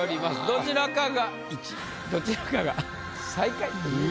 どちらかが１位どちらかが最下位という。